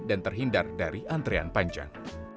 dan terhindar dari antrean panjang